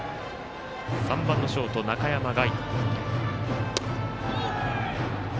バッター３番のショート、中山凱。